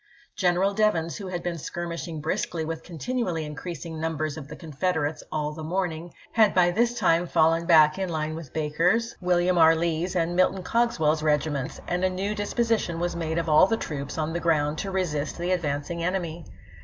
Colonel Devens, who had been skirmishing briskly with continually increasing numbers of the Confederates all the morning, had by this time fallen back in line with Baker's, THE ABMY OF THE POTOMAC 457 William R. Lee's, and Milton Cogswell's regiments, ch. xxv. and a new disposition was made of all the troops on the ground to resist the advancing enemy.